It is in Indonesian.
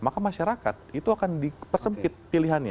maka masyarakat itu akan dipersempit pilihannya